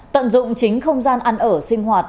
tận dụng chính không gian ăn ở sinh hoạt